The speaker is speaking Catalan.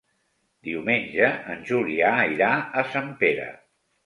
Diumenge en Julià irà a Sempere.